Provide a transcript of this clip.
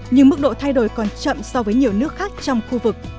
nhưng mức độ thay đổi còn chậm so với nhiều nước khác trong khu vực